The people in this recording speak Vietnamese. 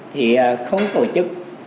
thì không tổ chức